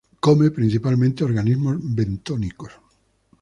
Come principalmente organismos bentónicos.